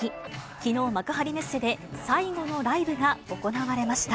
きのう、幕張メッセで最後のライブが行われました。